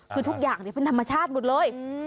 คือทุกอย่างเป็นธรรมชาติหมดเลย